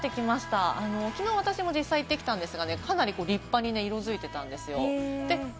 きのう私も実際行ってきたんですが、かなり立派に色づいていたんですよ。